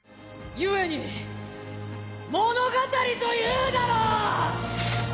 故に物語というだろう！